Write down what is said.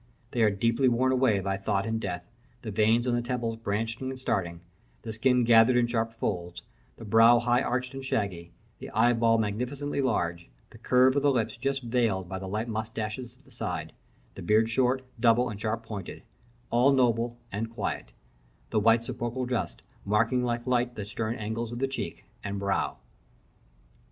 They are deeply worn away by thought and death; the veins on the temples branched and starting; the skin gathered in sharp folds; the brow high arched and shaggy; the eye ball magnificently large; the curve of the lips just veiled by the light mustache at the side; the beard short, double, and sharp pointed: all noble and quiet; the white sepulchral dust marking like light the stern angles of the cheek and brow.